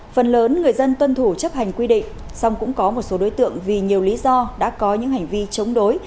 phần lớn người dân tuân thủ chấp hành quy định xong cũng có một số đối tượng vì nhiều lý do đã có những hành vi chống đối